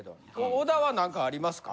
小田は何かありますか？